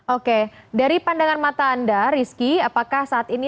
oke dari pandangan mata anda rizky apakah saat ini